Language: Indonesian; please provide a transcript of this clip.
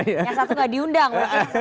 yang satu tidak diundang